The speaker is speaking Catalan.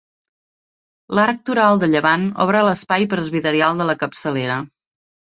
L'arc toral de llevant obre l'espai presbiteral de la capçalera.